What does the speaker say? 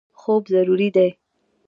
خوب ضروري دی.